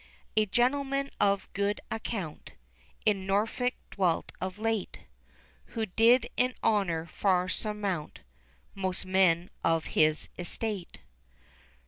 A gentleman of good account, In Norfolk dwelt of late, Who did in honour far surmount Most men of his estate.